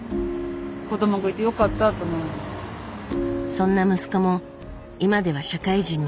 そんな息子も今では社会人に。